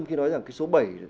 khi nói rằng cái số bảy